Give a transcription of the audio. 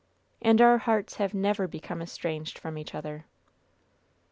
And our hearts have never become estranged from each other!"